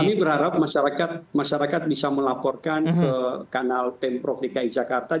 kami berharap masyarakat bisa melaporkan ke kanal pemprov dki jakarta